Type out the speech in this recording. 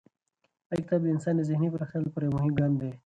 دا کتاب د انسان د ذهني پراختیا لپاره یو مهم ګام دی.